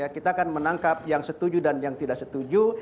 kita akan menangkap yang setuju dan yang tidak setuju